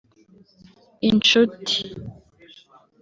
inshuti